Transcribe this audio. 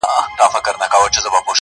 په انارګل کي چي د سرومیو پیالې وي وني -